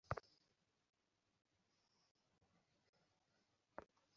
বাংলাদেশের মানুষের আতিথ্যে মুগ্ধ হওয়ার কথা জানালেন ভারতীয় লোকসভার সফরকারী পাঁচ সদস্য।